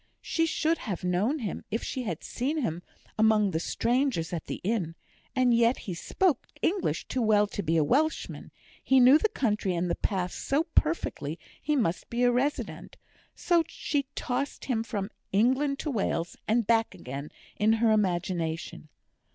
She should have known him, if she had seen him among the strangers at the inn; and yet he spoke English too well to be a Welshman; he knew the country and the paths so perfectly, he must be a resident; and so she tossed him from England to Wales and back again in her imagination.